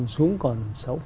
xuống còn sáu năm